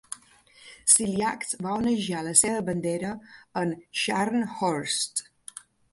Ciliax va onejar la seva bandera en "Scharnhorst".